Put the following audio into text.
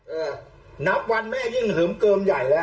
นับวันแม่ยิ่งเหิมเกิมใหญ่แล้ว